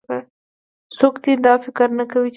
څوک دې دا فکر نه کوي چې تقلب به.